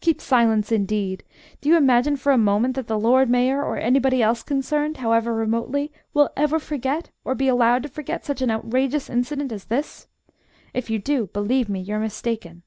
'Keep silence,' indeed! Do you imagine for a moment that the Lord Mayor, or anybody else concerned, however remotely, will ever forget, or be allowed to forget, such an outrageous incident as this? If you do, believe me, you're mistaken."